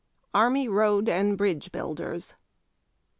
ARMY ROAD AND BRIDGE BUILDERS.